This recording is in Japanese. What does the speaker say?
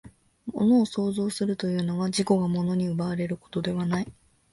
物を創造するというのは、自己が物に奪われることではない。